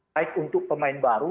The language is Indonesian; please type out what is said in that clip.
baik untuk pemain baru